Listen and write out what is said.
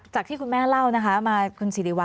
จากที่คุณแม่เล่านะคะมาคุณสิริวั